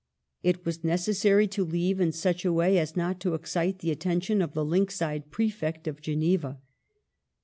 It was necessary to leave in such a way as not to excite the attention of the lynx eyed Prefect of Geneva.